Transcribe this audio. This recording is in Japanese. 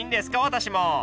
私も。